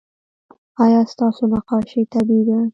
ایا ستاسو نقاشي طبیعي ده؟